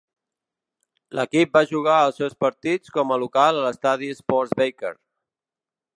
L'equip va jugar els seus partits com a local a l'estadi Sports Backers.